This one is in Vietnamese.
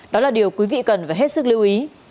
đó là điều quý vị cần phải hết sức lưu ý